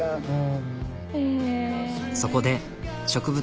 うん。